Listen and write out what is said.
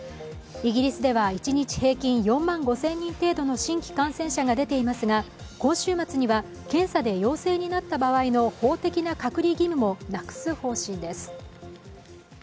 イギリスでは一日平均４万５０００人程度の新規感染者が出ていますが今週末には検査で陽性になった場合の法的な隔離義務もなくす方針です。